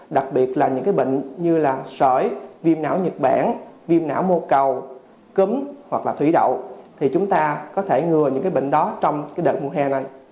đặc biệt là những bệnh như là sởi viêm não nhật bản viêm não mô cầu cứng hoặc là thủy đậu thì chúng ta có thể ngừa những bệnh đó trong đợt mùa hè này